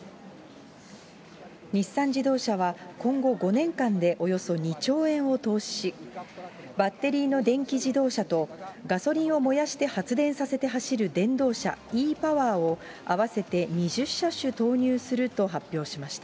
日産自動車は今後５年間でおよそ２兆円を投資し、バッテリーの電気自動車と、ガソリンを燃やして発電させて走る電動車、ｅパワーを合わせて２０車種投入すると発表しました。